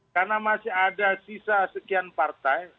karena masih ada sisa sekian partai